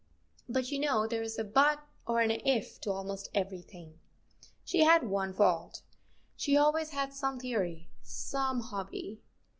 But—you know there is a " but " or an " if " to most everything—she had one fault: she always had some theory, some hobby.